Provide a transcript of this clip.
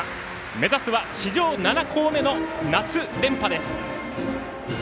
目指すは史上７校目の夏連覇です。